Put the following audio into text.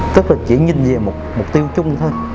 tức là chỉ nhìn về một mục tiêu chung thôi